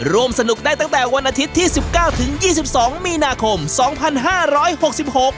ร่วมสนุกได้ตั้งแต่วันอาทิตย์ที่สิบเก้าถึงยี่สิบสองมีนาคมสองพันห้าร้อยหกสิบหก